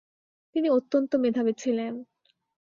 তিনি অত্যন্ত মেধাবী ছিলেন।